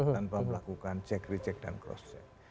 tanpa melakukan cek reject dan cross check